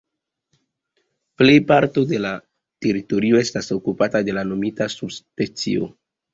Plej parto de la teritorio estas okupata de la nomiga subspecio.